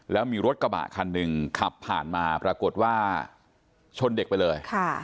แล้วมีรถกระบะคันหนึ่งขับผ่านมาปรากฏว่าชนเด็กไปเลย